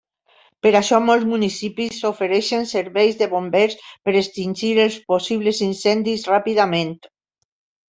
Per això, molts municipis ofereixen serveis de bombers per extingir els possibles incendis ràpidament.